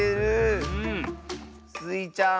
スイちゃん